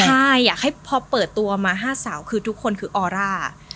ใช่อยากให้พอเปิดตัวมา๕สาวคือทุกคนคือออร่า